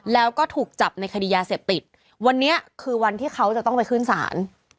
แล้วก็ถูกจับในคดียาเสพติดวันนี้คือวันที่เขาจะต้องไปขึ้นศาล